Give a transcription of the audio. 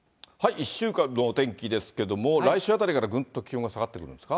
１週間のお天気ですけれども、来週あたりからぐんと気温が下がってくるんですか。